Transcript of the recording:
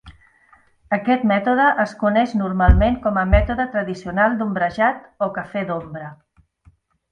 Aquest mètode es coneix normalment com a mètode tradicional d'ombrejat o "cafè d'ombra".